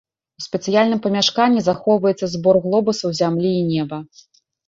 У спецыяльным памяшканні захоўваецца збор глобусаў зямлі і неба.